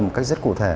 một cách rất cụ thể